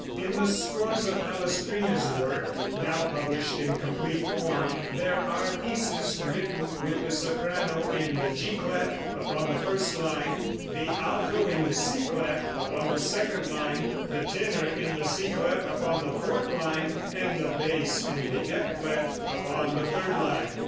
In the scores of Palestrina's work, now published in complete form, there are pieces written with the soprano in the G clef upon the first line, the alto in the C clef upon the second line, the tenor in the C clef upon the fourth line, and the bass in the F clef upon the third line.